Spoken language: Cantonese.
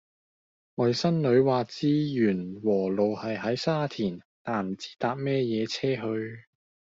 外甥女話知源禾路係喺沙田但係唔知搭咩野車去